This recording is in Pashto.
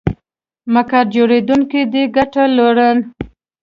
مکان جوړېدنک دې ګټه لورن